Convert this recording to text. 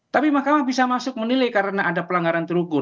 tapi mahkamah bisa masuk menilai karena ada pelanggaran terukur